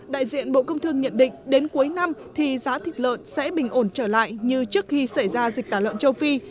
đại diện bộ công thương nhận định đến cuối năm thì giá thịt lợn sẽ bình ổn trở lại như trước khi xảy ra dịch tả lợn châu phi